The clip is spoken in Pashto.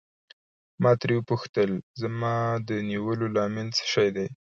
ما ترې وپوښتل زما د نیولو لامل څه شی دی.